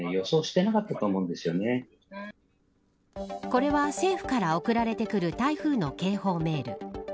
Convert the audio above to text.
これは政府から送られてくる台風の警報メール。